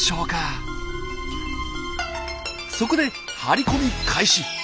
そこで張り込み開始。